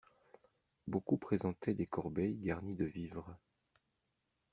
Beaucoup présentaient des corbeilles garnies de vivres.